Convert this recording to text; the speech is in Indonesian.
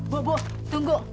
bu bu tunggu